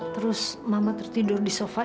terus mama tertidur di sofa